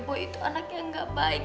bahwa itu anak yang gak baik